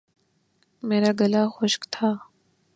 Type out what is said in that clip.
میرا گلا خشک تھا